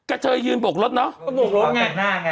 ระเทยยืนบกรถเนะ